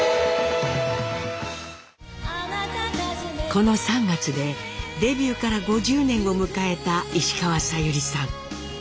この３月でデビューから５０年を迎えた石川さゆりさん。